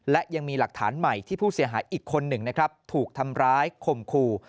และยังมีหลักฐานใหม่ที่ผู้เสียหายอีกคนหนึ่งนะครับถูกทำร้ายข่มขู่